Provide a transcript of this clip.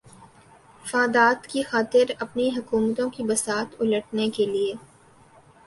فادات کی خاطر اپنی حکومتوں کی بساط الٹنے کیلئے